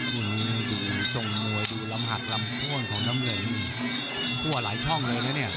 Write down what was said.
วันนี้ดูทรงมวยดูลำหักลำโค้นของน้ำเงินทั่วหลายช่องเลยนะเนี่ย